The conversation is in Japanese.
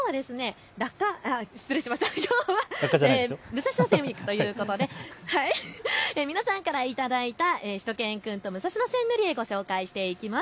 きょうは武蔵野線ウイークということで皆さんから頂いたしゅと犬くんと武蔵野線塗り絵をご紹介していきます。